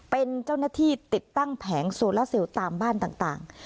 เป็นเจ้าหน้าที่ติดตั้งแผงโซลาเซลตามบ้านต่าง